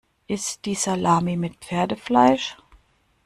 Ist die Salami mit Pferdefleisch?